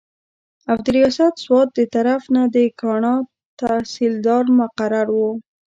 او د رياست سوات دطرف نه د کاڼا تحصيلدار مقرر وو